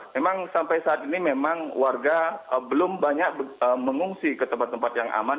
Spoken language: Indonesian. memang sampai saat ini memang warga belum banyak mengungsi ke tempat tempat yang aman